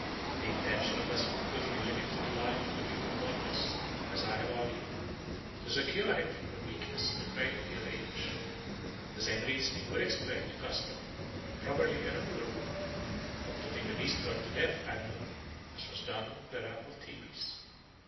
The intention of thus putting a limit to the life of the human god was, as I have argued, to secure him from the weakness and frailty of age. The same reasoning would explain the custom probably an older one of putting the beast god to death annually, as was done with the ram of Thebes.